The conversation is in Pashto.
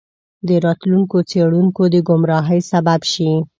د راتلونکو څیړونکو د ګمراهۍ سبب شي.